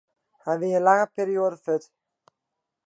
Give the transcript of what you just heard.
Hy wie in lange perioade fuort.